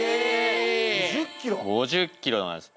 ５０ｋｍなんです。